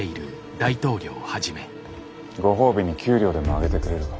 ご褒美に給料でも上げてくれるか？